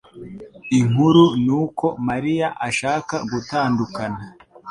Inkuru nuko Mariya ashaka gutandukana.